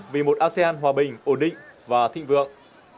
vì một asean hòa bình ổn định và thịnh vượng